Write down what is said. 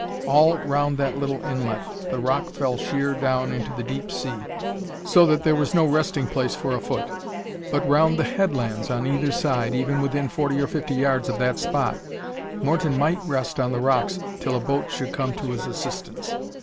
All round that little inlet the rock fell sheer down into the deep sea, so that there was no resting place for a foot; it but round the headlands on either side, even within forty or fifty yards of that spot, Morton might rest on the rocks, till a boat should come to his assistance.